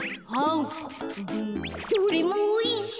どれもおいしい！